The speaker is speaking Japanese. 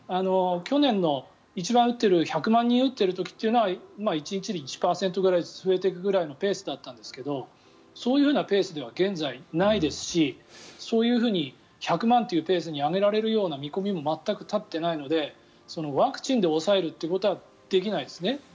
去年の一番打ってる１００万人打ってる時というのは１日で１％ぐらいずつ増えていくぐらいのペースだったんですがそういうペースでは現在ないですしそういうふうに１００万というペースに上げられるような見込みも全く立っていないのでワクチンで抑えるということはできないですね。